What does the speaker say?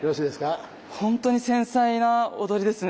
本当に繊細な踊りですね。